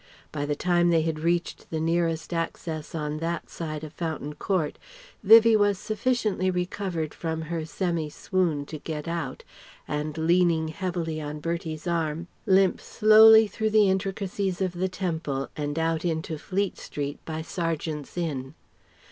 By the time they had reached the nearest access on that side of Fountain Court, Vivie was sufficiently recovered from her semi swoon to get out, and leaning heavily on Bertie's arm, limp slowly through the intricacies of the Temple and out into Fleet Street by Sergeant's Inn.